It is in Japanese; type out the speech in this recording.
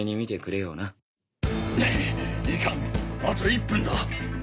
あと１分だ！